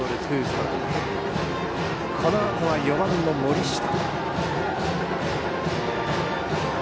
このあとは４番の森下。